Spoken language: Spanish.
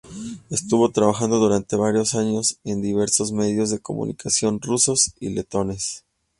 Estuvo trabajando durante varios años en diversos medios de comunicación rusos y letones.